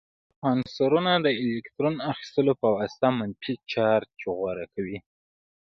عنصرونه د الکترون اخیستلو په واسطه منفي چارج غوره کوي.